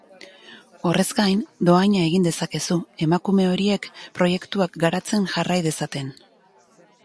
Horrez gain, dohaina egin dezakezu, emakume horiek proiektuak garatzen jarrai dezaten.